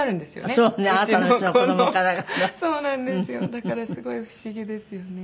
だからすごい不思議ですよね。